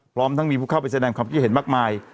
พร้อมทั้งมีผู้เข้าไปแสดงความคิดเห็นมากมาย